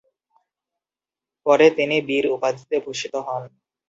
পরে তিনি বীর উপাধিতে ভূষিত হন।